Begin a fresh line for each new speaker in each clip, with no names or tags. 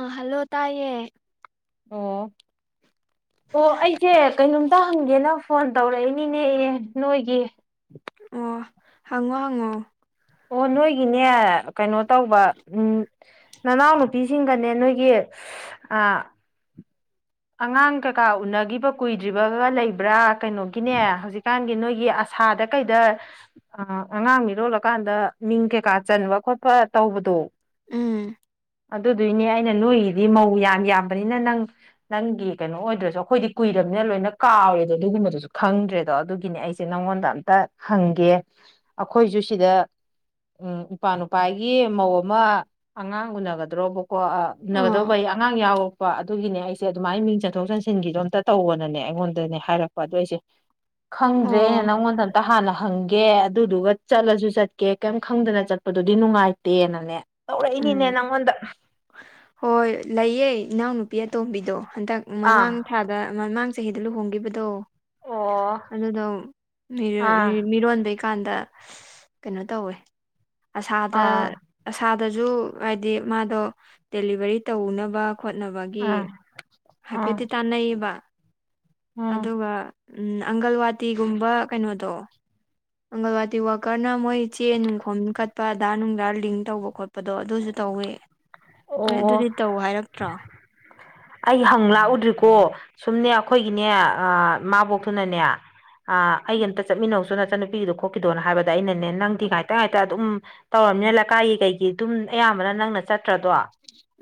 ꯑ ꯍꯜꯂꯣ ꯇꯥꯏꯦ
ꯑꯣ ꯑꯣ ꯑꯩꯁꯦ ꯀꯩꯅꯣꯝꯇ ꯍꯪꯒꯦꯅ ꯐꯣꯟ ꯇꯧꯔꯛꯏꯅꯤꯅꯦ ꯅꯣꯏꯒꯤ
ꯑꯣ ꯍꯉꯣ ꯍꯉꯣ
ꯑꯣ ꯅꯣꯏꯒꯤꯅꯦ ꯀꯩꯅꯣ ꯇꯧꯕ ꯎꯝ ꯅꯅꯥꯎꯅꯨꯄꯤꯁꯤꯡꯒꯅꯦ ꯅꯣꯏꯒꯤ ꯑꯥ ꯑꯉꯥꯡ ꯀꯀꯥ ꯎꯅꯈꯤꯕ ꯀꯨꯏꯗ꯭ꯔꯤꯕꯒ ꯂꯩꯕ꯭ꯔꯥ ꯀꯩꯅꯣꯒꯤꯅꯦ ꯍꯧꯖꯤꯛꯀꯥꯟꯒꯤ ꯅꯣꯏꯒꯤ ꯑꯁ ꯁꯥꯗ ꯀꯩꯗ ꯑꯉꯥꯡ ꯃꯤꯔꯣꯜꯂꯀꯥꯟꯗ ꯃꯤꯡ ꯀꯩꯀꯥ ꯆꯟꯕ ꯈꯣꯠꯄ ꯇꯧꯕꯗꯣ
ꯎꯝ
ꯑꯗꯨꯗꯨꯏꯅꯦ ꯑꯩꯅ ꯅꯣꯏꯒꯤꯗꯤ ꯃꯧ ꯌꯥꯝ ꯌꯥꯝꯕꯅꯤꯅ ꯅꯪ ꯅꯪꯒꯤ ꯀꯩꯅꯣ ꯑꯣꯏꯗ꯭ꯔꯁꯨ ꯑꯩꯈꯣꯏꯗꯤ ꯀꯨꯏꯔꯕꯝꯅꯤꯅ ꯂꯣꯏꯅ ꯀꯥꯎꯔꯦꯗꯣ ꯑꯗꯨꯒꯨꯝꯕꯗꯨꯁꯨ ꯈꯪꯗ꯭ꯔꯦꯗꯣ ꯑꯗꯨꯒꯤꯅꯦ ꯑꯩꯁꯦ ꯅꯪ ꯑꯩꯉꯣꯟꯗ ꯑꯝꯇ ꯍꯪꯒꯦ ꯑꯩꯈꯣꯏꯁꯨ ꯁꯤꯗ ꯎꯝ ꯏꯄꯥ ꯅꯨꯄꯥꯒꯤ ꯃꯧ ꯑꯃ ꯑꯉꯥꯡ ꯎꯅꯒꯗ꯭ꯔꯣꯕꯀꯣ
ꯑꯣ
ꯎꯅꯒꯗꯧꯕꯏ ꯑꯉꯥꯡ ꯌꯥꯎꯔꯛꯄ ꯑꯗꯨꯒꯤꯅꯦ ꯑꯩꯁ ꯁꯦ ꯑꯗꯨꯃꯥꯏꯅ ꯃꯤꯡ ꯆꯟꯊꯣꯛ ꯆꯟꯁꯤꯟꯒꯤꯗꯣ ꯑꯝꯇ ꯇꯧꯕꯅꯅꯦ ꯑꯩꯉꯣꯟꯗꯅꯦ ꯍꯥꯏꯔꯛꯄ ꯑꯗꯨꯗꯣ ꯑꯩꯁꯦ ꯈꯪꯗ꯭ꯔꯦ ꯑꯩꯅ
ꯑꯣ
ꯅꯪꯉꯣꯟꯗ ꯑꯝꯇ ꯍꯥꯟꯅ ꯍꯪꯒꯦ ꯦ ꯑꯗꯨꯗꯨꯒ ꯆꯠꯂꯁꯨ ꯆꯠꯀꯦ ꯀꯔꯤꯝ ꯈꯪꯗꯅ ꯆꯠꯄꯗꯨꯗꯤ ꯅꯨꯡꯉꯥꯏꯇꯦꯅꯅꯦ ꯇꯧꯔꯛꯏꯅꯤꯅꯦ
ꯎꯝ
ꯅꯪꯉꯣꯟꯗ
ꯍꯣꯏ ꯂꯩꯌꯦ ꯏꯅꯥꯎ ꯅꯨꯄꯤ ꯑꯇꯣꯝꯕꯤ ꯍꯟꯗꯛ
ꯑꯥ
ꯃꯃꯥꯡ ꯊꯥꯗ ꯃꯃꯥꯡ ꯆꯍꯤꯗ ꯂꯨꯍꯣꯡꯈꯤꯕꯗꯣ
ꯑꯣ
ꯑꯗꯨꯗꯗ ꯃꯤ
ꯑꯥ
ꯃꯤꯔꯣꯟ ꯀꯥꯟꯗ ꯀꯩꯅꯣ ꯇꯧꯋꯦ ꯑꯁꯥꯗ
ꯑꯥ
ꯑꯁꯥ ꯑꯗꯨꯗꯁꯨ ꯍꯥꯏꯗꯤ ꯃꯥꯗꯣ ꯗꯦꯂꯤꯚꯔꯤ ꯇꯧꯅꯕ ꯈꯣꯠꯅꯕꯒꯤ
ꯑꯥ ꯑꯥ
ꯍꯥꯏꯐꯦꯠꯇꯤ ꯇꯥꯟꯅꯩꯌꯦꯕ
ꯎꯝ
ꯑꯗꯨꯒ ꯎꯝ ꯑꯪꯒꯜꯋꯥꯇꯤꯒꯨꯝꯕ ꯀꯩꯅꯣꯗꯣ ꯑꯪꯒꯜꯋꯥꯗꯤ ꯋꯥꯀꯔꯅ ꯃꯣꯏ ꯆꯦ ꯅꯨꯡꯈꯣꯝ ꯀꯠꯄ ꯑꯙꯥ ꯅꯨꯡꯙꯥ ꯂꯤꯡ ꯇꯧꯕ ꯈꯣꯠꯄꯗꯣ ꯑꯗꯨꯁꯨ ꯇꯧꯋꯦ ꯅ
ꯑꯣ
ꯑꯗꯨꯗꯤ ꯇꯧ ꯍꯥꯏꯔꯛꯇ꯭ꯔꯣ
ꯑꯩ ꯍꯪ ꯂꯥꯛꯎꯗ꯭ꯔꯤꯀꯣ ꯁꯨꯝꯅꯦ ꯑꯩꯈꯣꯏꯒꯤꯅꯦ ꯏꯃꯥꯕꯣꯛꯇꯨꯅꯅꯦ ꯑ ꯑꯩ ꯑꯝꯇ ꯆꯠꯃꯤꯟꯅꯧꯁꯨ ꯅꯠꯇꯦ ꯅꯨꯄꯤꯒꯤꯗꯨꯣ ꯈꯣꯠꯈꯤꯗꯣꯅ ꯍꯥꯏꯕꯗ ꯑꯩꯅꯅꯦ ꯅꯪꯗꯤ ꯉꯥꯏꯇ ꯉꯥꯏꯇ ꯑꯗꯨꯝ ꯇꯧꯔꯝꯅꯤꯅ ꯂꯩꯀꯥꯏꯒꯤ ꯀꯩꯒꯤ ꯑꯗꯨꯝ ꯑꯌꯥꯝ ꯅꯪꯅ ꯆꯠꯇ꯭ꯔꯗꯣ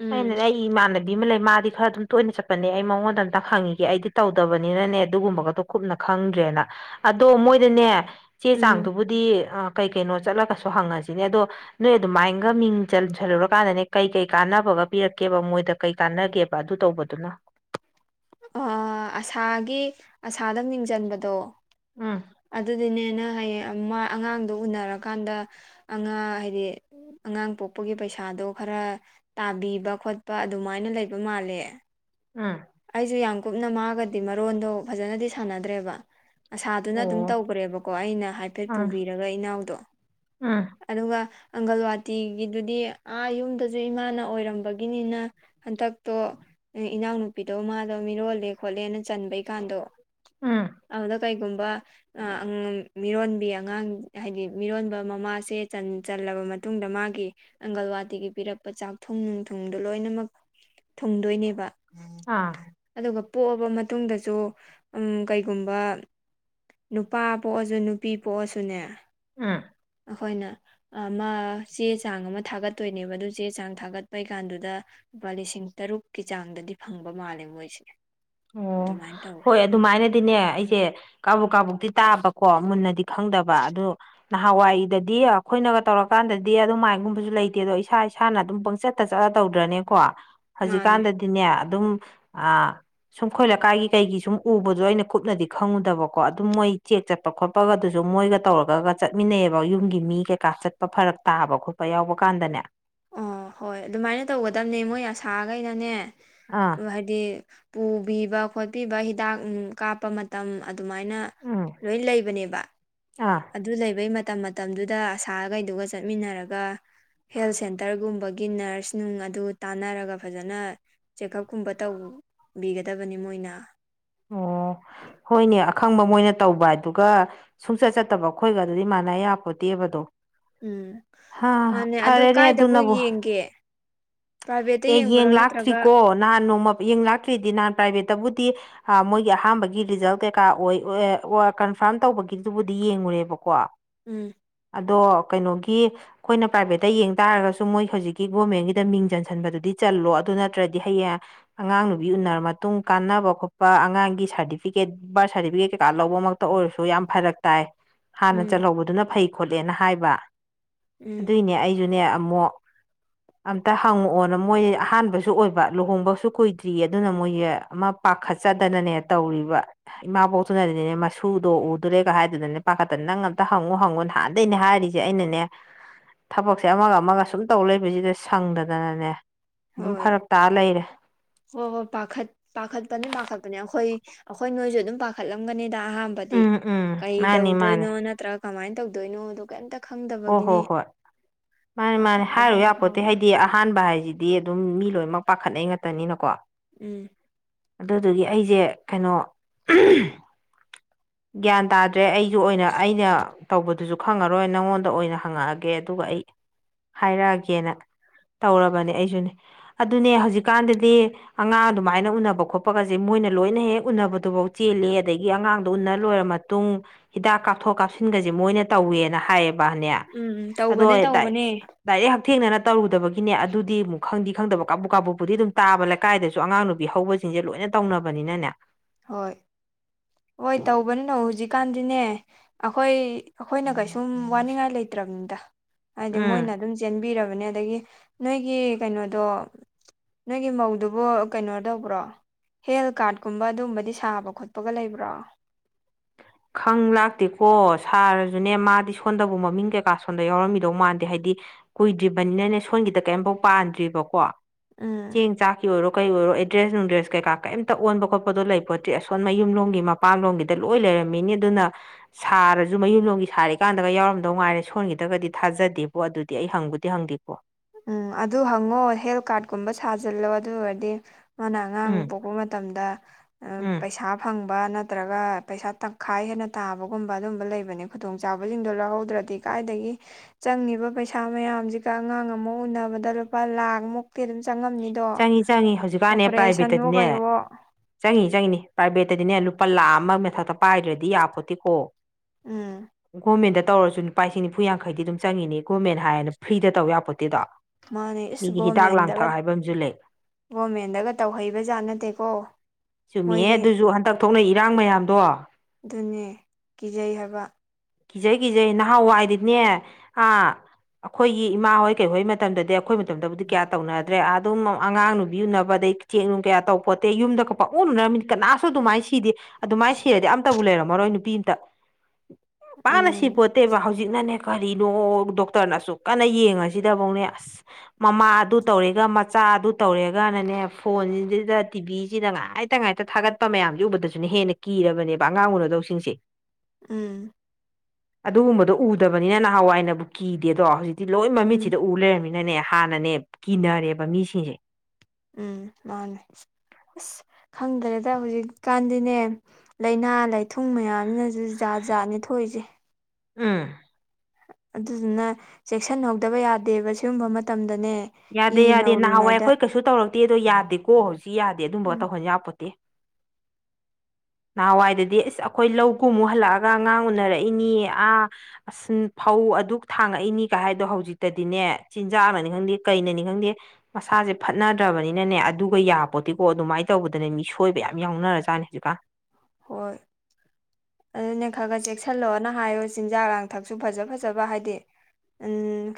ꯎꯝ
ꯑꯩꯅꯅꯦ ꯑꯩ ꯏꯃꯥꯟꯅꯕꯤ ꯑꯃ ꯂꯩ ꯃꯥꯗꯤ ꯈꯔ ꯑꯗꯨꯝ ꯇꯣꯏꯅ ꯆꯠꯄꯅꯦ ꯑꯩ ꯃꯉꯣꯟꯗ ꯑꯝꯇ ꯈꯪꯉꯤꯒꯦ ꯑꯩꯗꯤ ꯇꯧꯗꯕꯅꯤꯅꯅꯦ ꯑꯗꯨꯒꯨꯝꯕꯒꯗꯣ ꯀꯨꯞꯅ ꯈꯪꯗ꯭ꯔꯦꯅ ꯑꯗꯣ ꯃꯣꯏꯗꯅꯦ ꯆꯦ
ꯎꯝ
ꯆꯥꯡꯗꯨꯕꯨꯗꯤ ꯀꯩ ꯀꯩꯅꯣ ꯆꯠꯂꯒꯁꯨ ꯍꯪꯉꯁꯤꯅꯦ ꯑꯗꯣ ꯅꯣꯏ ꯑꯗꯨꯃꯥꯏꯅꯒ ꯃꯤꯡ ꯆꯟꯁꯜꯂꯨꯔꯀꯥꯟꯗꯅꯦ ꯀꯩ ꯀꯩ ꯀꯥꯟꯅꯕ ꯐ ꯄꯤꯔꯛꯀꯦꯕ ꯃꯣꯏꯗ ꯀꯩ ꯀꯥꯟꯅꯒꯦꯕ ꯑꯗꯨ ꯇꯧꯕꯗꯨꯅ
ꯑ ꯑꯁꯥꯒꯤ ꯑꯁꯥꯗ ꯃꯤꯡ ꯆꯟꯕꯗꯣ
ꯎꯝ
ꯑꯗꯨꯗꯤꯅꯦꯅ ꯍꯌꯦ ꯑꯉꯥꯡꯗꯣ ꯎꯅꯔꯀꯥꯟꯗ ꯑꯉꯥꯡ ꯍꯥꯏꯗꯤ ꯑꯉꯥꯡ ꯄꯣꯛꯄꯒꯤ ꯄꯩꯁꯥꯗꯣ ꯈꯔ ꯇꯥꯕꯤꯕ ꯈꯣꯠꯄ ꯑꯗꯨꯃꯥꯏꯅ ꯂꯩꯕ ꯃꯥꯜꯂꯦ
ꯎꯝ
ꯑꯩꯁꯨ ꯌꯥꯝ ꯀꯨꯞꯅ ꯃꯥꯒꯗꯤ ꯃꯔꯣꯟꯗꯣ ꯐꯖꯅꯗꯤ ꯁꯥꯟꯅꯗ꯭ꯔꯦꯕ ꯑꯁꯥꯗꯨꯅ ꯑꯗꯨꯝ
ꯑꯣ
ꯇꯧꯈ꯭ꯔꯦꯕꯀꯣ ꯑꯩꯅ ꯍꯥꯏꯐꯦꯠ
ꯎꯝ
ꯄꯨꯕꯤꯔꯒ ꯏꯅꯥꯎꯗꯣ
ꯎꯝ
ꯑꯗꯨꯒ ꯑꯪꯒꯜꯋꯥꯇꯤꯒꯤꯗꯨꯗꯤ ꯑꯥ ꯌꯨꯝꯗꯁꯨ ꯏꯃꯥꯅ ꯑꯣꯏꯔꯝꯕꯒꯤꯅꯤꯅ ꯍꯟꯗꯛꯇꯣ ꯏꯅꯎꯅ ꯅꯨꯄꯤꯗꯧ ꯃꯥꯗꯣ ꯃꯤꯔꯣꯜꯂꯦ ꯈꯣꯠꯂꯦꯅ ꯆꯟꯕꯩꯀꯥꯟꯗꯣ
ꯎꯝ
ꯑꯗꯨꯗ ꯀꯩꯒꯨꯝꯕ ꯑ ꯍꯥꯏ ꯃ ꯃꯇꯨꯡꯗ ꯃꯥꯒꯤ ꯑꯪꯒꯜꯋꯥꯗꯤꯤꯒꯤ ꯄꯤꯔꯛꯄ ꯆꯥꯛꯊꯨꯡ ꯅꯨꯡꯊꯨꯡꯗꯣ ꯂꯣꯏꯅꯃꯛ ꯊꯨꯡꯗꯣꯏꯅꯦꯕ
ꯑꯥ
ꯑꯗꯨꯒ ꯄꯣꯛꯑꯕ ꯃꯇꯨꯡꯗꯁꯨ ꯀꯩꯒꯨꯝꯕ ꯅꯨꯄꯥ ꯄꯣꯛꯑꯁꯨ ꯅꯨꯄꯤ ꯄꯣꯛꯑꯁꯨꯅꯦ
ꯎꯝ
ꯑꯩꯈꯣꯏꯅ ꯑꯃ ꯆꯦ ꯆꯥꯡ ꯑꯃ ꯊꯥꯒꯠꯇꯣꯏꯅꯦꯕ ꯑꯗꯨ ꯆꯦ ꯆꯥꯡ ꯊꯥꯒꯠꯄꯩ ꯀꯥꯟꯗꯨꯗ ꯂꯨꯄꯥ ꯂꯤꯁꯤꯡ ꯇꯔꯨꯛꯀꯤ ꯆꯥꯡꯗꯗꯤ ꯐꯪꯕ ꯃꯥꯜꯂꯦ ꯃꯣꯏꯁꯦ
ꯑꯣ
ꯑꯗꯨꯃꯥꯏꯅ ꯇꯧꯋꯦ
ꯍꯣꯏ ꯑꯗꯨꯃꯥꯏꯅꯗꯤꯅꯦ ꯑꯩꯁꯦ ꯀꯕꯨꯛ ꯀꯥꯕꯨꯛꯇꯤ ꯇꯥꯕꯀꯣ ꯃꯨꯟꯅꯗꯤ ꯈꯪꯗꯕ ꯑꯗꯨ ꯅꯍꯥꯟꯋꯥꯏꯗꯗꯤ ꯑꯩꯈꯣꯏꯅꯒ ꯇꯧꯔꯀꯥꯟꯗꯗꯤ ꯑꯗꯨꯃꯥꯏꯅꯒꯨꯝꯕꯁꯨ ꯂꯩꯇꯦ ꯑꯗꯣ ꯏꯁꯥ ꯏꯁꯥꯅ ꯑꯗꯨꯝ ꯄꯪꯆꯠꯇ ꯆꯠꯂ ꯇꯧꯗ꯭ꯔꯅꯦꯀꯣ
ꯃꯥꯅꯦ
ꯍꯧꯖꯤꯛꯀꯥꯟꯗꯗꯤꯅꯦ ꯑꯗꯨꯝ ꯑ ꯁꯨꯝ ꯑꯩ ꯈꯈꯣꯏ ꯂꯩꯀꯥꯏꯒꯤ ꯀꯩꯒꯤ ꯁꯨꯝ ꯎꯕꯗꯣ ꯑꯩꯅ ꯀꯨꯞꯅꯗꯤ ꯈꯪꯉꯨꯗꯕꯀꯣ ꯑꯗꯨꯝ ꯃꯣꯏ ꯆꯦꯛ ꯆꯠꯄ ꯈꯣꯠꯄꯒꯁꯨ ꯃꯣꯏꯒ ꯇꯧꯔꯒ ꯆꯠꯃꯤꯟꯅꯩꯌꯦꯕ ꯌꯨꯝꯒꯤ ꯃꯤ ꯀꯩꯀꯥ ꯆꯠꯄ ꯐꯔꯛ ꯇꯥꯕ ꯈꯣꯠꯄ ꯌꯥꯎꯕ ꯀꯥꯟꯗꯅꯦ
ꯑꯣ ꯍꯣꯏ ꯑꯗꯨꯃꯥꯏꯅ ꯇꯧꯒꯗꯝꯕꯅꯦ ꯃꯣꯏ ꯑꯁꯥꯈꯩꯅꯅꯦ
ꯑꯥ
ꯍꯥꯏꯗꯤ ꯄꯨꯕꯤꯕ ꯈꯣꯠꯄꯤꯕ ꯍꯤꯗꯥꯛ ꯀꯥꯞꯄ ꯃꯇꯝ ꯑꯗꯨꯃꯥꯏꯅ
ꯎꯝ
ꯂꯣꯏ ꯂꯩꯕꯅꯦꯕ
ꯑꯥ
ꯑꯗꯨ ꯂꯩꯕꯩ ꯃꯇꯝ ꯃꯇꯝꯗꯨꯗ ꯑꯁꯥꯒꯩꯗꯨꯒ ꯆꯠꯃꯤꯟꯅꯔꯒ ꯍꯦꯜꯊ ꯁꯦꯟꯇꯔꯒꯨꯝꯕꯒꯤ ꯅꯔꯁ ꯅꯨꯡ ꯑꯗꯨ ꯇꯥꯟꯅꯔꯒ ꯐꯖꯅ ꯆꯦꯛꯑꯞꯀꯨꯝꯕ ꯇꯧ ꯕꯤꯒꯗꯕꯅꯤ ꯃꯣꯏꯅ
ꯑꯣ ꯍꯣꯏꯅꯦ ꯑꯈꯪꯕ ꯃꯣꯏꯅ ꯇꯧꯕ ꯑꯗꯨꯒ ꯁꯨꯡꯆꯠ ꯆꯠꯇꯕ ꯑꯩꯈꯣꯏꯒ ꯑꯗꯨꯗꯤ ꯃꯥꯟꯅ ꯌꯥꯄꯣꯠꯇꯦꯕꯗꯣ
ꯎꯝ
ꯍꯥꯥ
ꯃꯥꯅꯦ
ꯐꯔꯦꯅꯦ ꯑꯗꯨ
ꯀꯥꯏꯗꯕꯨ
ꯅꯕꯨ
ꯌꯦꯡꯒꯦ ꯄ꯭ꯔꯥꯏꯚꯦꯠꯇ
ꯑꯦ
ꯌꯦꯡꯕ꯭ꯔꯣ
ꯌꯦꯡ
ꯅꯠꯇ꯭ꯔꯒ
ꯂꯥꯛꯇ꯭ꯔꯤꯀꯣ ꯅꯍꯥꯟ ꯅꯣꯡꯃ ꯌꯦꯡ ꯂꯥꯛꯇ꯭ꯔꯤꯗꯤ ꯅꯍꯥꯟ ꯄ꯭ꯔꯥꯏꯚꯦꯠꯇꯕꯨ ꯃꯣꯏꯒꯤ ꯑꯍꯥꯥꯟꯕꯒꯤ ꯔꯤꯖꯜ ꯀꯩꯀꯥ ꯑꯣꯏ ꯀꯟꯐꯥꯔꯝ ꯇꯧꯕꯒꯤꯗꯨꯕꯨꯗꯤ ꯌꯦꯡꯉꯨꯔꯦꯕꯀꯣ
ꯎꯝ
ꯑꯗꯣ ꯀꯩꯅꯣꯒꯤ ꯑꯩꯈꯣꯏꯅ ꯄ꯭ꯔꯥꯏꯚꯦꯠꯇ ꯌꯦꯡ ꯇꯥꯔꯒꯁꯨ ꯃꯣꯏ ꯍꯧꯖꯤꯛꯀꯤ ꯒꯣꯔꯃꯦꯟꯒꯤꯗ ꯃꯤꯡ ꯆꯟꯁꯟꯕꯗꯨꯗꯤ ꯆꯠ ꯆꯜꯂꯣ ꯑꯗꯨ ꯅꯠꯇ꯭ꯔꯗꯤ ꯍꯌꯦꯡ ꯑꯉꯥꯡ ꯅꯨꯕꯤ ꯎꯅꯔꯕ ꯃꯇꯨꯡ ꯀꯥꯟꯅꯕ ꯈꯣꯠꯄ ꯑꯉꯥꯡꯒꯤ ꯁꯥꯔꯇꯤꯐꯤꯀꯦꯠ ꯕꯥꯔꯠ ꯁꯥꯔꯇꯤꯐꯤꯀꯦꯠ ꯀꯩꯀꯥ ꯂꯧꯕꯃꯛꯇ ꯑꯣꯏꯔꯁꯨ ꯌꯥꯝ ꯐꯔꯛ ꯇꯥꯏ ꯍꯥꯟꯅ
ꯎꯝ
ꯆꯠꯍꯧꯕꯗꯨꯅ ꯐꯩ ꯈꯣꯠꯂꯦꯅ ꯍꯥꯏꯕ
ꯎꯝ
ꯑꯗꯨꯏꯅꯦ ꯑꯩꯁꯨꯅꯦ ꯑꯃꯨꯛ ꯑꯝꯇ ꯍꯪꯉꯛꯑꯣꯅ ꯃꯣꯏ ꯑꯍꯥꯟꯕꯁꯨ ꯑꯣꯏꯕ ꯂꯨꯍꯣꯡꯕꯁꯨ ꯀꯨꯏꯗ꯭ꯔꯤ ꯑꯗꯨꯅ ꯃꯣꯏꯁꯦ ꯑꯃ ꯄꯥꯈꯠ ꯆꯗꯅꯅꯦ ꯇꯧꯔꯤꯕ ꯏꯃꯥꯕꯣꯛꯇꯨꯅꯗꯤꯅꯦ ꯃꯁꯨꯗꯣ ꯎꯗꯣꯔꯦꯒ ꯍꯥꯏꯗꯨꯗꯅꯦ ꯄꯥꯈꯠꯇ ꯅꯪ ꯑꯝꯇ ꯍꯪꯉꯨ ꯍꯪꯉꯨ ꯅꯍꯥꯟꯗꯩꯅꯦ ꯍꯥꯏꯔꯤꯁꯦ ꯑꯩꯅꯅꯦ ꯊꯕꯛꯁꯦ ꯑꯃꯒ ꯑꯃꯒ ꯁꯨꯝ ꯇꯧ ꯂꯩꯕꯁꯤꯗ ꯁꯪꯗꯗꯅꯅꯦ ꯑꯗꯨꯝ
ꯍꯣꯏ
ꯐꯔꯛ ꯇꯥ ꯂꯩꯔꯦ
ꯍꯣ ꯍꯣ ꯄꯥꯈꯠ ꯄꯥꯈꯠ ꯄꯅꯤ ꯄꯥꯈꯠꯄꯅꯦ ꯑꯩꯈꯣꯏ ꯑꯩꯈꯣꯏ ꯅꯣꯏꯁꯨ ꯑꯗꯨꯝ ꯄꯥꯈꯠꯂꯝꯒꯅꯤ ꯗ ꯑꯍꯥꯟꯕꯗꯤ
ꯎꯝ ꯎꯝ
ꯀꯩ
ꯃꯥꯅꯤ
ꯇꯧꯗꯣꯏꯅꯣ
ꯃꯥꯅꯤ
ꯅꯠꯇ꯭ꯔꯒ ꯀꯃꯥꯏꯅ ꯇꯧꯗꯣꯏꯅꯣ ꯀꯩꯝꯇ
ꯍꯣꯏ
ꯈꯪꯗꯕꯒꯤꯅꯤ
ꯍꯣꯏ ꯍꯣꯏ ꯃꯥꯅꯤ ꯃꯥꯅꯤ
ꯄꯥꯈꯠꯄꯗꯤ
ꯍꯥꯏꯔꯨ
ꯑꯗꯨꯝ
ꯌꯥꯄꯣꯠꯇꯦ
ꯐꯥꯎꯕꯅꯤ
ꯍꯥꯏꯗꯤ ꯑꯍꯥꯟꯕ ꯍꯥꯏꯁꯤꯗꯤ ꯑꯗꯨꯝ ꯃꯤ ꯂꯣꯏꯅꯃꯛ ꯄꯥꯈꯠꯅꯩ ꯉꯥꯛꯇꯅꯤꯅꯀꯣ
ꯎꯝ
ꯑꯗꯨꯗꯨꯒꯤ ꯑꯩꯁꯦ ꯀꯩꯅꯣ ꯒ꯭ꯌꯥꯟ ꯇꯥꯗ꯭ꯔꯦ ꯑꯩꯁꯨ ꯑꯣꯏꯅ ꯑꯩꯅ ꯇꯧꯕꯗꯨꯁꯨ ꯈꯪꯉꯔꯣꯏ ꯅꯪꯉꯣꯟꯗ ꯑꯣꯏꯅ ꯍꯪꯉꯛꯑꯒꯦ ꯑꯗꯨꯒ ꯑꯩ ꯍꯥꯏꯔꯛꯑꯒꯦꯅ ꯇꯧꯔꯕꯅꯦ ꯑꯩꯁꯨꯅꯦ ꯑꯗꯨꯅꯦ ꯍꯧꯖꯤꯛꯀꯥꯟꯗꯗꯤ ꯑꯉꯥꯡ ꯑꯗꯨꯃꯥꯏꯅ ꯎꯅꯕ ꯈꯣꯠꯄꯒꯁꯦ ꯃꯣꯏ ꯃꯣꯏꯅ ꯂꯣꯏꯅ ꯍꯦꯛ ꯎꯅꯕꯗꯨꯐꯧ ꯆꯦꯜꯂꯦ ꯑꯗꯒꯤ ꯑꯉꯥꯡ ꯎꯟꯅ ꯂꯣꯏꯔꯕ ꯃꯇꯨꯡ ꯍꯤꯗꯥꯛ ꯀꯥꯞꯊꯣꯛ ꯀꯥꯞꯁꯤꯟꯒꯁꯦ ꯃꯣꯏꯅ ꯇꯧꯋꯦꯅ ꯍꯥꯏꯌꯦꯕ ꯅꯦ
ꯎꯝ ꯎꯝ
ꯑꯗꯣ
ꯇꯧꯕꯅꯦ ꯇꯧꯕꯅꯦ
ꯗꯥꯏꯔꯦꯛ ꯍꯛꯊꯦꯡꯅꯅ ꯇꯧꯔꯨꯗꯕꯒꯤꯅꯦ ꯑꯗꯨꯗꯤ ꯑꯃꯨꯛ ꯈꯪꯗꯤ ꯈꯪꯗꯕ ꯀꯥꯕꯨ ꯀꯥꯕꯨꯛꯄꯨꯗꯤ ꯑꯗꯨꯝ ꯇꯥꯕ ꯂꯩꯀꯥꯏꯗꯁꯨ ꯑꯉꯥꯡ ꯅꯨꯄꯤ ꯍꯧꯕꯁꯤꯡꯁꯦ ꯂꯣꯏꯅ ꯇꯧꯅꯕꯅꯤꯅꯅꯦ
ꯍꯣꯏ ꯍꯣꯏ ꯇꯧꯕꯅꯤꯅ ꯍꯧꯖꯤꯛꯀꯥꯟꯗꯤꯅꯦ ꯑꯩꯈꯣꯏ ꯑꯩꯈꯣꯏꯅ ꯀꯩꯁꯨ ꯁꯨꯝ ꯋꯥꯅꯤꯡꯉꯥꯏ ꯂꯩꯇ꯭ꯔꯕꯅꯤꯗ ꯍꯥꯏꯗꯤ
ꯎꯝ
ꯃꯣꯏꯅ ꯑꯗꯨꯝ ꯆꯦꯟꯕꯤꯔꯕ ꯑꯗꯒꯤ ꯅꯣꯏꯒꯤ ꯀꯩꯅꯣꯗꯣ ꯅꯣꯏꯒꯤ ꯃꯧꯗꯨꯕꯨ ꯀꯩꯅꯣ ꯇꯧꯕ꯭ꯔꯣ ꯍꯦꯜꯊ ꯀꯥꯔꯠꯀꯨꯝꯕ ꯑꯗꯨꯝꯕꯗꯤ ꯁꯥꯕ ꯈꯣꯠꯄꯒ ꯂꯩꯕ꯭ꯔꯣ
ꯈꯪ ꯂꯥꯛꯇꯦꯀꯣ ꯁꯥꯔꯁꯨꯅꯦ ꯃꯥꯗꯤ ꯁꯣꯟꯗꯕꯨ ꯃꯃꯤꯡ ꯀꯩꯀꯥ ꯁꯣꯟꯗ ꯌꯥꯎꯔꯝꯒꯤꯗꯧ ꯃꯥꯟꯗꯦ ꯍꯥꯏꯗꯤ ꯀꯨꯏꯗ꯭ꯔꯤꯕꯅꯤꯅꯅꯦ ꯁꯣꯟꯒꯤꯗ ꯀꯔꯤꯝꯐꯥꯎ ꯄꯥꯟꯗ꯭ꯔꯤꯕꯀꯣ
ꯎꯝ
ꯆꯦꯡ ꯆꯥꯛꯀꯤ ꯑꯣꯏꯔꯣ ꯀꯩ ꯑꯣꯏꯔꯣ ꯑꯦꯗ꯭ꯔꯦꯁ ꯅꯨꯡꯗ꯭ꯔꯦꯁ ꯀꯩꯀꯥ ꯀꯩꯝꯇ ꯑꯣꯟꯕ ꯈꯣꯠꯄꯗꯣ ꯂꯩ ꯄꯣꯠꯇ꯭ꯔꯦ ꯑꯁꯣꯟ ꯃꯌꯨꯝ ꯂꯣꯝꯒꯤ ꯃꯄꯥꯟꯂꯣꯝꯒꯤꯗ ꯂꯣꯏ ꯂꯩꯔꯝ ꯃꯤꯅꯤ ꯑꯗꯨꯅ ꯁꯥꯔꯁꯨ ꯃꯌꯨꯝꯂꯣꯝꯒꯤ ꯁꯥꯔꯤꯀꯥꯟꯗꯒ ꯌꯥꯎꯔꯝꯗꯧ ꯉꯥꯏꯔꯦ ꯁꯣꯟꯈꯤꯗ꯭ꯔꯒꯗꯤ ꯊꯥꯖꯗꯦꯕꯣ ꯑꯗꯨꯗꯤ ꯑꯩ ꯍꯪꯕꯨꯗꯤ ꯍꯪꯒꯦꯀꯣ
ꯎꯝ ꯑꯗꯨ ꯍꯪꯉꯣ ꯍꯦꯜ ꯀꯥꯔꯠꯀꯨꯝꯕ ꯁꯥꯖꯤꯜꯂꯣ ꯑꯗꯨ ꯑꯣꯏꯔꯗꯤ ꯃꯥꯅ ꯑꯉꯥꯡ
ꯎꯝ
ꯄꯣꯛꯄ ꯃꯇꯝꯗ
ꯎꯝ
ꯄꯩꯁꯥ ꯐꯪꯕ ꯅꯠꯇ꯭ꯔꯒ ꯄꯩꯁ ꯇꯪꯈꯥꯏ ꯍꯦꯟꯅ ꯇꯥꯕꯒꯨꯝꯕ ꯑꯗꯨꯒꯨꯝꯕ ꯂꯩꯕꯅꯦ ꯈꯨꯗꯣꯡꯆꯥꯕꯁꯤꯡꯗꯣ ꯂꯧꯍꯧꯗ꯭ꯔꯗꯤ ꯀꯥꯏꯗꯒꯤ ꯆꯪꯉꯤꯕ ꯄꯩꯁꯥ ꯃꯌꯥꯝꯁꯤꯒ ꯑꯉꯥꯡ ꯑꯃ ꯎꯅꯕꯗ ꯂꯨꯄꯥ ꯂꯥꯛ ꯃꯨꯛꯇꯤ ꯑ
ꯆꯪꯉꯤ ꯆꯪꯉꯤ ꯍꯧꯖꯤꯛꯀꯥꯟꯅꯦ
ꯑꯣꯄꯔꯦꯁꯟꯋꯣ
ꯄ꯭ꯔꯥꯏꯚꯦꯠꯇꯗꯤꯅꯦ
ꯀꯩꯋꯣ
ꯆꯪꯉꯤꯅꯦ ꯆꯪꯉꯤꯅꯦ ꯄ꯭ꯔꯥꯏꯚꯦꯠꯇꯗꯤꯅꯦ ꯂꯨꯄꯥ ꯂꯥꯛ ꯑꯃ ꯃꯊꯛꯇ ꯄꯥꯏꯗ꯭ꯔꯗꯤ ꯌꯥ ꯄꯣꯠꯇꯦꯀꯣ
ꯎꯝ
ꯒꯣꯔꯃꯦꯟꯗ ꯇꯧꯔꯁꯨ ꯂꯨꯄꯥ ꯂꯤꯁꯤꯡ ꯅꯤꯐꯨ ꯌꯥꯡꯈꯩꯗꯤ ꯑꯗꯨꯝ ꯆꯪꯉꯤꯅꯤ ꯒꯣꯔꯃꯦꯟ ꯍꯥꯏꯅ ꯐ꯭ꯔꯤꯗ ꯇꯧ ꯌꯥꯄꯣꯠꯇꯦꯗꯣ
ꯃꯥꯅꯦ ꯏꯁ
ꯃꯤꯒꯤ ꯍꯤꯗꯥꯛ
ꯒꯣꯕꯔꯃꯦꯟꯗꯒ
ꯂꯥꯡꯊꯛ ꯍꯥꯏꯕ ꯑꯃꯁꯨ ꯂꯩ
ꯒꯣꯕꯔꯃꯦꯟꯗꯒ ꯇꯧꯍꯩꯕꯖꯥꯠ ꯅꯠꯇꯦꯀꯣ
ꯆꯨꯝꯃꯤꯍꯦ
ꯃꯣꯏꯗꯤ
ꯑꯗꯨꯁꯨ ꯍꯟꯗꯛ ꯊꯣꯛꯅꯩ ꯏꯔꯥꯡ ꯃꯌꯥꯝꯗꯣ
ꯑꯗꯨꯅꯦ ꯀꯤꯖꯩ ꯍꯥꯏꯕ
ꯀꯤꯖꯩ ꯀꯤꯖꯩ ꯅꯍꯥꯟꯋꯥꯏꯗꯤꯅꯦ ꯑꯥ ꯑꯩꯈꯣꯏꯒꯤ ꯏꯃꯥꯍꯣꯏ ꯀꯩꯍꯣꯏ ꯃꯇꯝꯗꯗꯤ ꯑꯩꯈꯣꯏ ꯃꯇꯝꯗꯕꯨꯗꯤ ꯀꯌꯥ ꯇꯧꯅꯗ꯭ꯔꯦ ꯑꯗꯨꯝ ꯑꯉꯥꯡ ꯅꯨꯕꯤ ꯎꯅꯕ ꯑꯗꯩ ꯆꯦꯛ ꯅꯨꯡ ꯀꯌꯥ ꯇꯧꯄꯣꯠꯇꯦ ꯌꯨꯝꯗꯒ ꯄꯡꯎ ꯎꯅꯔꯃꯤꯅꯤ ꯀꯅꯥꯁꯨ ꯑꯗꯨꯃꯥꯏꯅ ꯁꯤꯗꯦ ꯑꯗꯨꯃꯥꯏꯅ ꯁꯤꯔꯗꯤ ꯑꯝꯇꯕꯨ ꯂꯩꯔꯝꯃꯔꯣꯏ ꯅꯨꯄꯤ ꯑꯃꯝꯇ ꯀꯅꯥꯝ ꯁꯤ
ꯎꯝ
ꯄꯣꯠꯇꯦꯕ ꯍꯧꯖꯤꯛꯅꯅꯦ ꯀꯔꯤꯅꯣ ꯗꯣꯛꯇꯔꯅ ꯑꯁꯨꯛ ꯀꯟꯅ ꯌꯦꯡꯉꯁꯤꯗꯐꯧꯅꯦ ꯑꯁ ꯃꯃꯥ ꯑꯗꯨ ꯇꯧꯔꯦꯒ ꯃꯆꯥ ꯑꯥ ꯑꯗꯨ ꯇꯧꯔꯦꯒꯅꯅꯦ ꯐꯣꯟꯁꯤꯗ ꯇꯤꯚꯤꯁꯤꯗ ꯉꯥꯏꯇ ꯉꯥꯏꯇ ꯊꯥꯒꯠꯄ ꯃꯌꯥꯝꯁꯦ ꯎꯕꯗꯁꯨꯅ ꯍꯦꯟ ꯑꯩꯅ ꯀꯤꯔꯕꯅꯦꯕ ꯑꯉꯥꯡ ꯑꯨꯅꯗꯧꯁꯤꯡꯁꯦ
ꯎꯝ
ꯑꯗꯨꯒꯨꯝꯕꯗꯣ ꯎꯗꯕꯅꯤꯅ ꯅꯍꯥꯟꯋꯥꯏꯅꯕꯨ ꯀꯤꯗꯦꯗꯣ ꯍꯧꯖꯤꯛꯇꯤ ꯂꯣꯏ
ꯎꯝ
ꯃꯃꯤꯠꯁꯤꯗ ꯎ ꯂꯩꯔꯝꯃꯤ ꯅꯅꯦ ꯍꯥꯟꯅꯅꯦ ꯀꯤꯅꯔꯦꯕ ꯃꯤꯁꯤꯡꯁꯦ
ꯎꯝ ꯃꯥꯅꯦ ꯑꯁ ꯈꯪꯗ꯭ꯔꯦꯗ ꯍꯧꯖꯤꯛꯀꯥꯟꯗꯤꯅꯦ ꯂꯥꯏꯅꯥ ꯂꯥꯏꯊꯨꯡ ꯃꯌꯥꯝꯅꯁꯨ ꯖꯥꯖꯥꯠꯅꯦ ꯊꯣꯛꯏꯁꯦ
ꯎꯝ
ꯑꯗꯨꯗꯨꯅ ꯆꯦꯛꯁꯤꯟꯍꯧꯗꯕ ꯌꯥꯗꯦꯕ ꯁꯤꯒꯨꯝꯕ ꯃꯇꯝꯗ
ꯌꯥꯗꯦ ꯌꯥꯗꯦ ꯅꯍꯥꯟꯋꯥꯏ ꯑꯩꯈꯣꯏ ꯀꯩꯁꯨ ꯇꯧꯔꯛꯇꯦ ꯑꯗꯣ ꯌꯥꯗꯦꯀꯣ ꯍꯧꯖꯤꯛ ꯌꯥꯗꯦ ꯑꯗꯨꯝꯕ
ꯎꯝ
ꯇꯧꯍꯟ ꯌꯥꯄꯣꯟꯇꯦ [inaudible] ꯅꯍꯥꯟꯋꯥꯏꯗꯗꯤ ꯑꯁ ꯑꯩꯈꯣꯏ ꯂꯧꯒꯨꯝꯃꯨꯛ ꯍꯜꯂꯛꯑꯒ ꯑꯉꯥꯡ ꯎꯅꯔꯛꯏꯅꯤ ꯑꯥ ꯑꯁ ꯐꯧ ꯎ ꯑꯗꯨꯛ ꯊꯥꯡꯉꯛꯏꯅꯤꯒ ꯍꯥꯏꯗꯣ ꯍꯧꯖꯤꯛꯇꯗꯤꯅꯦ ꯆꯤꯟꯖꯥꯛ ꯑꯃꯅꯤ ꯈꯪꯗꯦ ꯀꯩꯅꯅꯤ ꯈꯪꯗꯦ ꯃꯁꯥꯁꯦ ꯐꯠꯅꯗ꯭ꯔꯕꯅꯤꯅꯅꯦ ꯑꯗꯨꯒ ꯌꯥꯄꯣꯠꯇꯗꯤꯀꯣ ꯑꯗꯨꯃꯥꯏꯅ ꯇꯧꯕꯗꯅꯦ ꯃꯤ ꯁꯣꯏꯕ ꯌꯥ ꯌꯥꯝ ꯌꯥꯎꯅꯔꯖꯥꯠꯅꯤ ꯍꯧꯖꯤꯛꯀꯥꯟ
ꯍꯣꯏ ꯑꯗꯨꯅꯦ ꯈꯔ ꯈꯔ ꯆꯦꯛꯁꯤꯜꯂꯛꯑꯣꯅ ꯍꯥꯏꯌꯣ ꯆꯤꯟꯖꯥꯛ ꯂꯥꯡꯊꯛꯁꯨ ꯐꯖ ꯐꯖꯕ ꯍꯥꯏꯗꯤ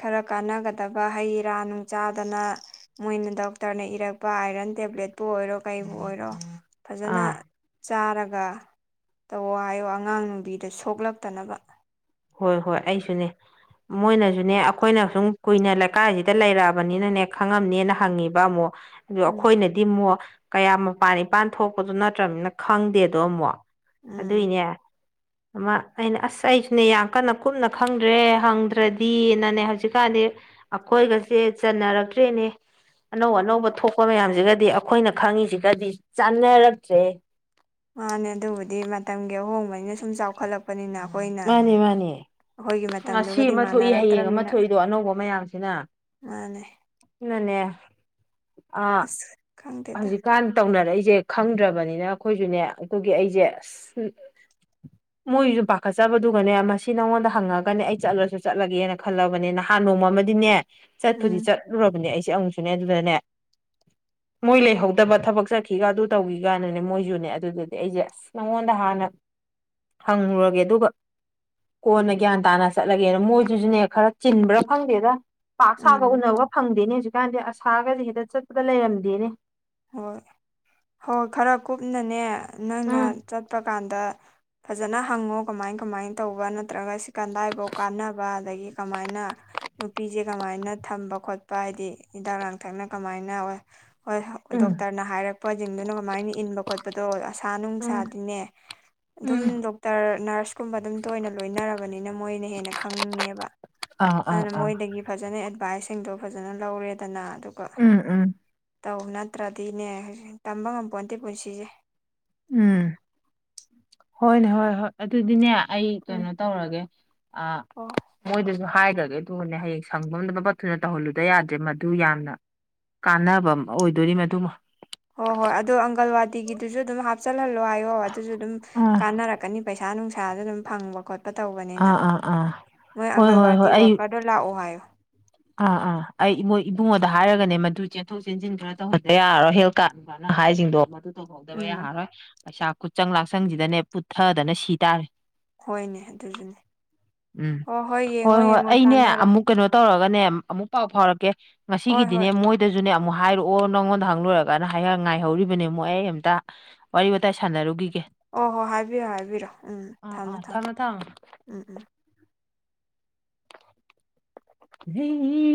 ꯈꯔ ꯀꯥꯟꯅꯒꯗꯕ ꯍꯩ ꯔꯥ ꯅꯨꯡ ꯆꯥꯗꯅ ꯃꯣꯏꯅ ꯗꯣꯛꯇꯔꯅ ꯏꯔꯛ ꯑꯥꯏꯔꯟ ꯇꯦꯕ꯭ꯂꯦꯠꯄꯨ ꯑꯣꯏꯔꯣ ꯀ ꯑꯣꯏꯔꯣ ꯐꯖ
ꯑꯥ
ꯆꯥ ꯇꯧꯋꯣ ꯍꯥꯏꯌꯣ ꯑꯉꯥꯡ ꯅꯨꯕꯤꯗ ꯁꯣꯛꯂꯛꯇꯅꯕ
ꯍꯣꯏ ꯍꯣꯏ ꯑꯩꯁꯨꯅꯦ ꯃꯣꯏꯅꯁꯨꯅꯦ ꯑꯩꯈꯣꯏꯅ ꯁꯨꯝ ꯀꯨꯏꯅ ꯂꯩꯀꯥꯏꯁꯤꯗ ꯂꯩꯔꯛꯑꯕꯅꯤꯅꯅꯦ ꯈꯪꯉꯝꯅꯦꯅ ꯍꯪꯉꯤꯕ ꯑꯃꯨꯛ ꯑꯗꯨ
ꯎꯝ
ꯑꯩꯈꯣꯏꯅꯗꯤ ꯑꯃꯨꯛ ꯀꯌꯥꯝ ꯃꯄꯥꯟ ꯏꯄꯥꯟ ꯊꯣꯛꯄꯗꯣ ꯅꯠꯇ꯭ꯔꯅꯤꯅ ꯈꯪꯗꯦꯗꯣ ꯑꯃꯨꯛ
ꯎꯝ
ꯑꯗꯨꯏꯅꯦ ꯑꯃ ꯑꯩꯅ ꯑꯁ ꯑꯩꯁꯨ ꯁꯤꯅꯦ ꯌꯥꯝ ꯀꯟꯅ ꯀꯨꯞꯅ ꯈꯪꯗ꯭ꯔꯦ ꯍꯪꯗ꯭ꯔꯗꯤꯅꯅꯦ ꯍꯧꯖꯤꯛꯀꯥꯟꯗꯤ ꯑꯩꯈꯣꯏꯒꯁꯦ ꯀꯟꯅꯔꯛꯇ꯭ꯔꯦꯅꯦ ꯑꯅꯧ ꯑꯅꯧꯕ ꯊꯣꯛꯄ ꯃꯌꯥꯝꯁꯤꯒꯗꯤ ꯑꯩꯈꯣꯏꯅ ꯈꯪꯉꯤꯁꯤꯒꯗꯤ ꯆꯥꯟꯅꯔꯛꯇ꯭ꯔꯦ
ꯃꯥꯅꯦ ꯑꯗꯨꯕꯨꯗꯤ ꯃꯇꯝꯒꯤ ꯑꯍꯣꯡꯕꯅꯤꯅ ꯁꯨꯝ ꯆꯥꯎꯈꯠꯂꯛꯄꯅꯤꯅ ꯑꯩꯈꯣꯏꯅ
ꯃꯥꯅꯦ ꯃꯥꯅꯦ
ꯑꯩꯈꯣꯏꯒꯤ
ꯉꯁꯤ
ꯃꯇꯝꯗꯨꯒꯗꯤ
ꯑꯃ ꯊꯣꯛꯏ ꯍꯌꯦꯡ ꯑꯃ
ꯃꯥꯟꯅꯔꯛꯇ꯭ꯔꯃꯤꯅ
ꯊꯣꯛꯏꯗꯣ ꯑꯅꯧꯕ ꯃꯌꯥꯝꯁꯤꯅ
ꯃꯥꯅꯦ
ꯅꯅꯦ
ꯑꯁ ꯈꯪꯗꯦꯗ
ꯍꯧꯖꯤꯛꯀꯥꯟ ꯇꯧꯅꯔꯛꯏꯁꯤ ꯁꯦ ꯈꯪꯗ꯭ꯔꯕꯅꯤꯅ ꯑꯩꯈꯣꯏꯁꯨꯅꯦ ꯑꯗꯨꯒꯤ ꯑꯩꯁꯦ ꯑꯁ ꯃꯣꯏꯁꯨ ꯄꯥꯈꯠꯆꯕꯗꯨꯒꯅꯦ ꯃꯁꯤ ꯅꯉꯣꯟꯗ ꯍꯪꯉꯒꯅꯦ ꯑꯩ ꯆꯠꯂꯁꯨ ꯆꯠꯂꯒꯦꯅ ꯈꯜꯂꯕꯅꯦ ꯅꯍꯥꯟ ꯅꯣꯡꯃ ꯑꯃꯗꯤꯅꯦ ꯆꯠꯄꯨꯗꯤ
ꯎꯝ
ꯆꯠꯂꯨꯔꯕꯅꯦ ꯑꯩꯁꯦ ꯑꯃꯨꯛꯁꯨꯅꯦ ꯑꯗꯨꯗꯅꯦ ꯃꯣꯏ ꯂꯩꯍꯧꯗꯕ ꯊꯕꯛ ꯆꯠꯈꯤꯒ ꯑꯗꯨ ꯇꯧꯈꯤꯒꯅꯅꯦ ꯃꯣꯏꯁꯨꯅꯦ ꯑꯗꯨꯗꯗꯤ ꯑꯩꯁꯦ ꯅꯪꯉꯣꯟꯗ ꯍꯥꯟꯅ ꯍꯪꯂꯉꯨꯔꯒꯦ ꯑꯗꯨꯒ ꯀꯣꯟꯅ ꯒ꯭ꯌꯥꯟ ꯇꯥꯅ ꯆꯠꯂꯒꯦꯅ ꯃꯣꯏꯗꯨꯁꯨꯅꯦ ꯈꯔ ꯆꯤꯟꯕ꯭ꯔꯥ ꯈꯪꯗꯦꯗ ꯄꯥꯛ ꯁꯥꯒ
ꯎꯝ
ꯎꯅꯕ ꯐꯪꯗꯦꯅꯦ ꯍꯧꯖꯤꯛꯀꯥꯟꯁꯦ ꯑꯁꯥꯒꯁꯦ ꯍꯦꯛꯇ ꯆꯠꯄꯗ ꯂꯩꯔꯝꯗꯦꯅꯦ
ꯍꯣꯏ ꯍꯣꯏ ꯈꯔ ꯀꯨꯞꯅꯅꯦ ꯅꯪꯅ
ꯎꯝ
ꯆꯠꯄ ꯀꯥꯟꯗ ꯐꯖꯅ ꯍꯪꯉꯣ ꯀꯃꯥꯏ ꯀꯃꯥꯏ ꯇꯧꯕ ꯅꯠꯇ꯭ꯔꯒ ꯀꯗꯥꯏꯐꯥꯎ ꯀꯥꯟꯅꯕ ꯑꯗꯒꯤ ꯀꯃꯥꯏꯅ ꯅꯨꯄꯤꯁꯦ ꯀꯃꯥꯏꯅ ꯊꯝꯕ ꯈꯣꯠꯄ ꯍꯥꯏꯗꯤ ꯍꯤꯗꯥꯛ ꯂꯥꯡꯊꯛꯅ ꯀꯃꯥꯏꯅ ꯍ ꯍꯣꯏ
ꯎꯝ
ꯗꯣꯛꯇꯔꯅ ꯍꯥꯏꯔꯛꯄꯁꯤꯡꯗꯨꯅ ꯀꯃꯥꯏꯅ ꯏꯟꯕ ꯈꯣꯠꯄꯗꯣ ꯑꯁꯥ
ꯎꯝ
ꯅꯨꯡꯁꯥꯗꯤꯅꯦ ꯑꯗꯨꯝ
ꯎꯝ
ꯗꯣꯛꯇꯔ ꯅꯔꯁꯀꯨꯝꯕ ꯑꯗꯨꯝ ꯇꯣꯏꯅ ꯂꯣꯏꯅꯔꯕꯅꯤ ꯃꯣꯏꯅ ꯍꯦꯟꯅ ꯈꯪꯉꯦꯕ
ꯑꯥ ꯑꯥ
ꯑꯗꯨꯅ
ꯑꯥ
ꯃꯣꯏꯗꯒꯤ ꯐꯖꯅ ꯚꯥꯏꯁꯤꯡꯗꯣ ꯐꯖꯅ ꯂꯧꯔꯦꯗꯅ ꯑꯗꯨꯒ
ꯎꯝ ꯎꯝ
ꯇꯧ ꯅꯠꯇ꯭ꯔꯗꯤꯅꯦ ꯍꯧꯖꯤꯛ ꯇꯝꯕ ꯉꯝꯄꯣꯟꯗꯦ ꯄꯨꯟꯁꯤꯁꯦ
ꯎꯝ ꯍꯣꯏꯅꯦ ꯍꯣꯏ ꯍꯣꯏ ꯑꯗꯨꯗꯤꯅꯦ ꯑꯩ
ꯎꯝ
ꯀꯩꯅꯣ ꯇꯧꯔꯒꯦ
ꯍꯣ
ꯃꯣꯏꯗꯁꯨ ꯍꯥꯏꯈ꯭ꯔꯒꯦ ꯑꯗꯨꯅꯦ ꯍꯌꯦꯡ ꯁꯪꯐꯝꯝꯗ ꯃꯄ ꯊꯨꯅ ꯇꯧꯍꯜꯂꯨꯗꯕ ꯌꯥꯗ꯭ꯔꯦ ꯃꯗꯨ ꯌꯥꯝꯅ ꯀꯥꯟꯅꯕ ꯑꯣꯏꯗꯣꯔꯤ ꯃꯗꯨꯃ
ꯍꯣꯏ ꯍꯣꯏ ꯑꯗꯣ ꯑꯪꯒꯜꯋꯥꯗꯤꯒꯤꯗꯨꯁꯨ ꯑꯗꯨꯝ ꯍꯥꯞꯆꯜꯍꯜꯂꯣ ꯍꯥꯏꯌꯣ ꯑꯗꯨꯁꯨ ꯑꯗꯨꯝ
ꯑꯥ
ꯀꯥꯟꯅꯔꯛꯀꯅꯤ ꯄꯩꯁꯥ ꯄꯩꯁꯥ ꯅꯨꯡꯁꯥꯗ ꯑꯗꯨꯝ ꯐꯪꯕ ꯈꯣꯠꯄ ꯇꯧꯕꯅꯤꯅ
ꯑꯥ ꯑꯥ ꯑꯥ
ꯅꯣꯏ
ꯍꯣꯏ
ꯑꯪꯒꯜꯋꯥꯗꯤ ꯋꯥꯀꯔꯗꯣ ꯂꯥꯛꯑꯣ ꯍꯥꯏꯌꯣ
ꯑ ꯑ ꯑꯩ ꯏꯃ ꯏꯕꯨ ꯃꯗ ꯍꯥꯏꯔꯒꯅꯦ ꯃꯗꯨ ꯆꯦꯟꯊꯣꯛ ꯆꯦꯟꯁꯤꯟ ꯈꯔ ꯇꯧꯍꯟꯕ ꯌꯥꯔꯔꯣꯏ ꯍꯦꯜꯠ ꯀꯥꯔꯠꯅ ꯍꯥꯏꯁꯤꯡꯗꯣ ꯠꯇꯨ ꯐꯧꯗꯕ
ꯎꯝ
ꯌꯥꯔꯔꯣꯏ ꯄꯩꯁꯥ ꯈꯨꯠꯆꯪ ꯂꯥꯛꯆꯪꯁꯤꯗꯅꯦ ꯄꯨꯠꯊꯗꯅ ꯁꯤ ꯇꯥꯔꯦ
ꯍꯣꯏꯅꯦ ꯑꯗꯨꯁꯨꯅꯦ
ꯎꯝ
ꯍꯣꯏ
ꯍꯣꯏ
ꯌꯦꯡꯉꯣ
ꯍꯣꯏ
ꯌꯦꯡꯉꯣ
ꯑꯩꯅꯦ
ꯇꯥꯟꯅꯔꯣ
ꯑꯃꯨꯛ ꯀꯩꯅꯣ ꯇꯧꯔꯒ ꯅꯦ ꯑꯃꯨꯛ ꯄꯥꯎ ꯐꯥꯎꯔꯛꯀꯦ
ꯍꯣꯏ
ꯉꯁꯤꯒꯤꯗꯤꯅꯦ
ꯍꯣꯏ
ꯃꯣꯏꯗꯁꯨꯅꯦ ꯑꯃꯨꯛ ꯍꯥꯏꯔꯛꯑꯣ ꯅꯪꯉꯣꯟꯗ ꯍꯪꯂꯣꯏꯨꯔꯒꯅ ꯉꯥꯏꯍꯧꯔꯤꯕꯅꯦ ꯑꯃꯨꯛ ꯑꯩ ꯑꯝꯇ ꯋꯥꯔꯤ ꯋꯥꯇꯥꯏ ꯁꯥꯟꯅꯔꯨꯒꯤꯒꯦ
ꯑꯣ ꯍꯣꯏ ꯍꯥꯏꯕꯤꯌꯣ ꯍꯥꯏꯕꯤꯔꯣ ꯎꯝ
ꯑꯥ
ꯊꯝꯃꯦ
ꯑꯥ
ꯊꯝꯃꯦ
ꯊꯝꯃꯣ ꯊꯝꯃꯣ
ꯎꯝ ꯎꯝ
ꯍ [inaudible]